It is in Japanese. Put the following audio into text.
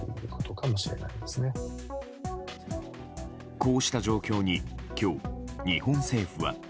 こうした状況に今日、日本政府は。